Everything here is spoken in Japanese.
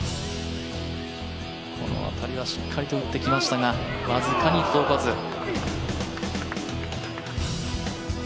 この辺りはしっかりと打ってきましたが、僅かに届かず。